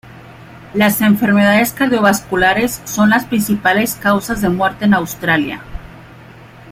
Las enfermedades cardiovasculares son las principales causas de muerte en Australia.